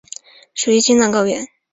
属于青藏高原。